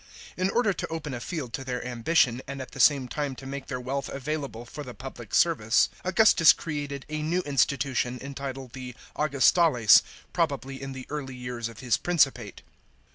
In order to open a field to their ambition, and at the same time to make their wealth available for the public service, Augustus created a new institution, entitled the Augustales, probably in the early years of his principate.